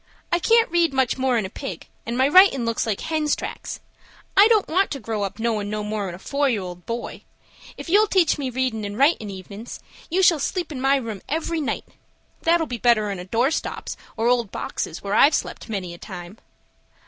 I can't read much more'n a pig; and my writin' looks like hens' tracks. I don't want to grow up knowin' no more'n a four year old boy. If you'll teach me readin' and writin' evenin's, you shall sleep in my room every night. That'll be better'n door steps or old boxes, where I've slept many a time."